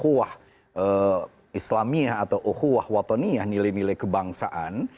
uah islamiyah atau uhuah watoniyah nilai nilai kebangsaan